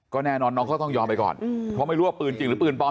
แน่นอนน้องเขาต้องยอมไปก่อนเพราะไม่รู้ว่าปืนจริงหรือปืนปลอม